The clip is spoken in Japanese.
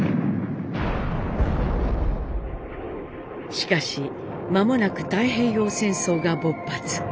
しかし間もなく太平洋戦争が勃発。